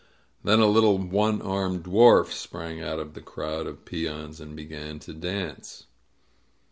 Then a little one armed dwarf sprang out of the crowd of peons and be gan to dance.